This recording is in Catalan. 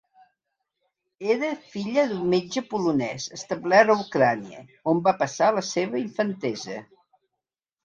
Era filla d'un metge polonès establert a Ucraïna, on va passar la seva infantesa.